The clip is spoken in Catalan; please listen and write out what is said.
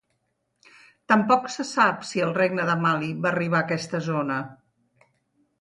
Tampoc se sap si el regne de Mali va arribar a aquesta zona.